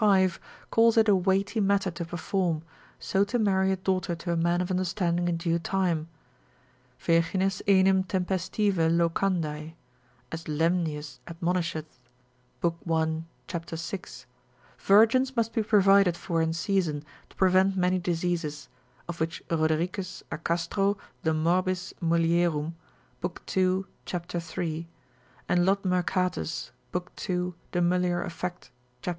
calls it a weighty matter to perform, so to marry a daughter to a man of understanding in due time: Virgines enim tempestive locandae, as Lemnius admonisheth, lib. 1. cap. 6. Virgins must be provided for in season, to prevent many diseases, of which Rodericus a Castro de morbis mulierum, lib. 2. cap. 3. and Lod. Mercatus lib. 2. de mulier. affect, cap.